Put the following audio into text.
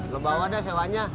lo bawa deh sewanya